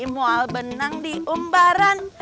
mual benang diumbaran